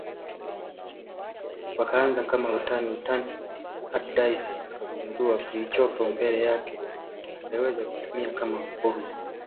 Wakaanza kama utani utani hadi Daisy akagundua kilichopo mbele yake angeweza kutumia kama fursa